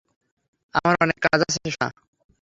আমার অনেক কাজ আছে, সোনা।